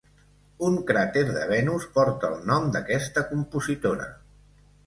Un cràter de Venus porta el nom d'aquesta compositora.